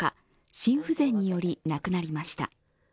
心不全により亡くなりました。